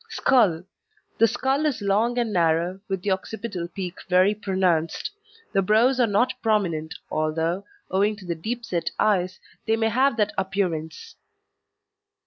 SKULL The skull is long and narrow, with the occipital peak very pronounced. The brows are not prominent, although, owing to the deep set eyes, they may have that appearance.